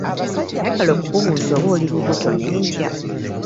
Nayagala okukubuuza oba oli lubuto nentya.